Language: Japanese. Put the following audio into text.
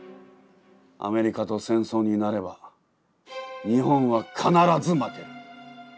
アメリカと戦争になれば日本は必ず負ける。